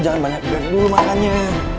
lo jangan banyak banyak dulu makan ya